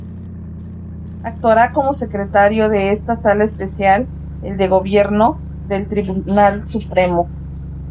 Actuará como Secretario de esta Sala especial el de Gobierno del Tribunal Supremo.